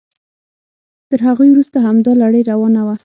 تر هغوی وروسته همدا لړۍ روانه وه.